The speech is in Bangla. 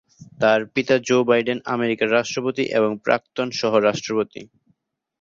তার পিতা জো বাইডেন আমেরিকার রাষ্ট্রপতি এবং প্রাক্তন সহ-রাষ্ট্রপতি।